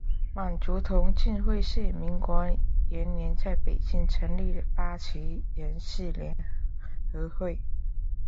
满族同进会是民国元年在北京成立的八旗人士联合会。